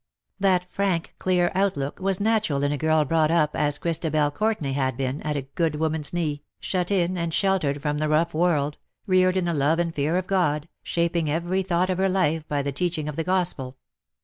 That frank clear outlook was natural in a girl brought up as Christabel Courtenay had been at a good woman's knee. 16 THE DAYS THAT ARE NO MORE. shut in aud sheltered from the rough worlds reared in the love and fear of God, shaping every thought of her life by the teaching of the Gospel.